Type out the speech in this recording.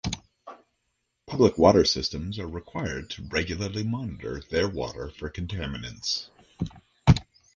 Public water systems are required to regularly monitor their water for contaminants.